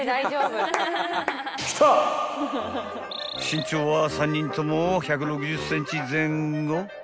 ［身長は３人とも１６０ｃｍ前後］